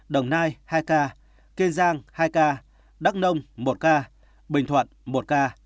đồng nai hai ca kiên giang hai ca đắk nông một ca bình thuận một ca